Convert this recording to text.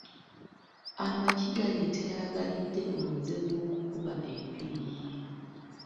Amagi galeetera agalidde omuze gw’okukuba empiiyi.